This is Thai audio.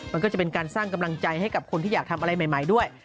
มันก็จะเป็นการสร้างกำลังใจให้กับคนที่อยากทำอะไรใหม่ด้วย